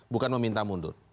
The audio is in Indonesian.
bukan meminta mundur